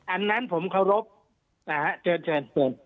อันนั้นผมเคารพเชิญ